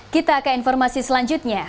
kita ke informasi selanjutnya